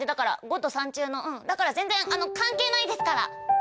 「ゴッド三中」のだから全然関係ないですから！